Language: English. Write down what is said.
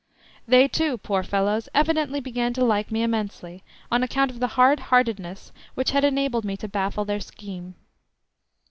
They too, poor fellows, evidently began to like me immensely, on account of the hard heartedness which had enabled me to baffle their scheme.